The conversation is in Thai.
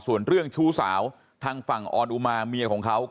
ส่วนเรื่องชู้สาวทางฝั่งออนอุมาเมียของเขา